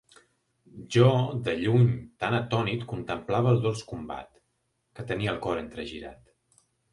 Jo, de lluny, tan atònit contemplava el dolç combat, que tenia el cor entregirat.